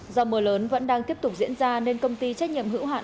do mưa lớn vẫn đang tiếp tục diễn ra nên công ty trách nhiệm hữu hạn